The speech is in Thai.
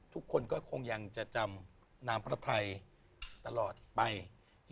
ทุกคนก็คงยังจะจำน้ำพระไทยตลอดไป